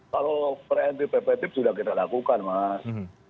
kalau preventive preventive sudah kita lakukan mas